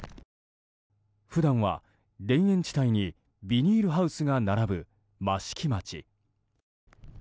普段は田園地帯にビニールハウスが並ぶ益城町。